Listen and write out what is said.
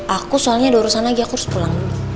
aku soalnya ada urusan lagi aku harus pulang